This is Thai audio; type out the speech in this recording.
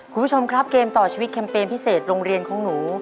คุณผู้ชมครับเกมต่อชีวิตแคมเปญพิเศษโรงเรียนของหนู